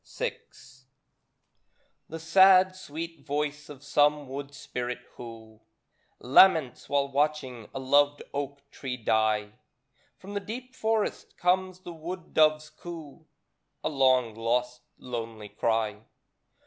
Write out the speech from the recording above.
VI The sad, sweet voice of some wood spirit who Laments while watching a loved oak tree die, From the deep forest comes the wood dove's coo. A long, lost, lonely cry.